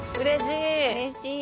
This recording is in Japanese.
うれしーい。